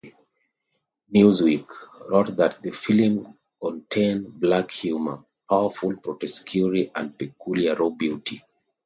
"Newsweek" wrote that the film contained "black humor, powerful grotesquerie and peculiar raw beauty.